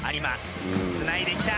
つないできた。